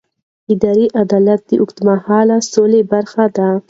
اداري عدالت د اوږدمهاله سولې برخه ده